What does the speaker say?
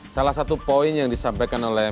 salah satu poin yang disampaikan oleh